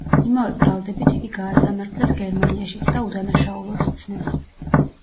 იმავე ბრალდებით იგი გაასამართლეს გერმანიაშიც და უდანაშაულოდ სცნეს.